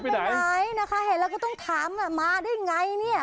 แม่ไปไหนนะคะแล้วก็ต้องถามมาได้ไงเนี่ย